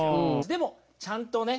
でもちゃんとね